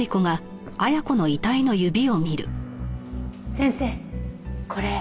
先生これ。